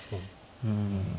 うん。